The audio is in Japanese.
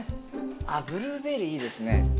あっブルーベリーいいですね。